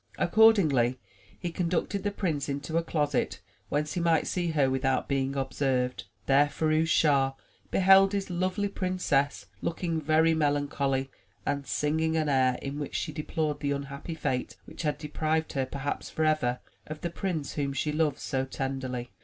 Accordingly, he conducted the prince into a closet whence he might see her without being observed. There Firouz Schah beheld his lovely princess looking very melancholy and singing an air in which she deplored the unhappy fate which had deprived her perhaps forever of the prince whom she loved so tenderly.